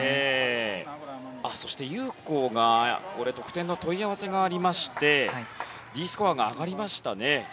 そしてユウ・コウが得点の問い合わせがありましてＤスコアが上がりました。